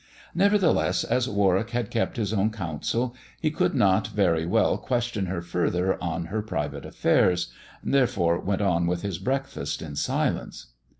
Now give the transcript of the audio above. Nevertheless, as Warwick had kept his own counsel, he could not very well question her further on her private affairs, therefore went on with his breakfast in silence.